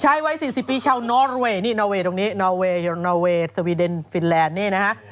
วัย๔๐ปีชาวนอเรย์นี่นอเวย์ตรงนี้นอเวยนอเวย์สวีเดนฟินแลนด์นี่นะฮะ